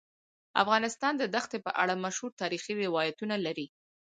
افغانستان د دښتې په اړه مشهور تاریخی روایتونه لري.